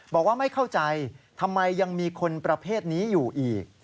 บอกว่าไม่เข้าใจทำไมยังมีคนประเภทนี้อยู่อีก